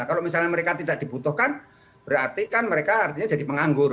kalau misalnya mereka tidak dibutuhkan berarti kan mereka artinya jadi penganggur